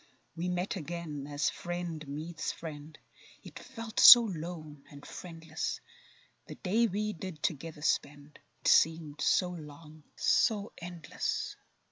We met again, as friend meets friend, Yet felt so lone and friendless; The day we did together spend, It seemed so long—so endless.